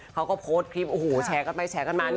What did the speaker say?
เขาก็โพสต์คลิปโอ้โหแชร์กันไปแชร์กันมา